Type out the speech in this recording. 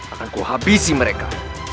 aku habisi mereka